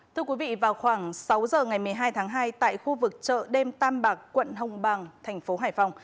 thưa quý vị vào khoảng sáu giờ ngày một mươi hai tháng hai tại khu vực chợ đêm tam bạc quận hồng bàng thành phố hải phòng